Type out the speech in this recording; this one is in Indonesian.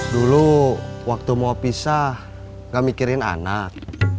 dulu waktu mau pisah gak mikirin anak